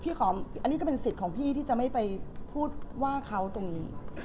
อันนี้ก็เป็นสิทธิ์ของพี่ที่จะไม่ไปพูดว่าเขาตรงนี้